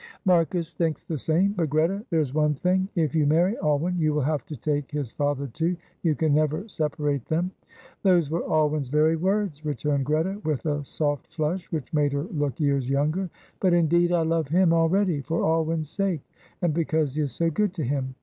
"Marcus thinks the same; but, Greta, there is one thing: if you marry Alwyn, you will have to take his father too; you can never separate them." "Those were Alwyn's very words," returned Greta, with a soft flush which made her look years younger; "but, indeed, I love him already for Alwyn's sake, and because he is so good to him.